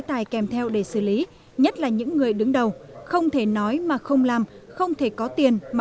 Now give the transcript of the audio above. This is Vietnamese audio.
tài kèm theo để xử lý nhất là những người đứng đầu không thể nói mà không làm không thể có tiền mà